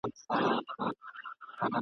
موږ ته قسمت پر کنډوونو ورکي لاري کښلي !.